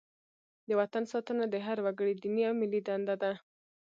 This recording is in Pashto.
د وطن ساتنه د هر وګړي دیني او ملي دنده ده.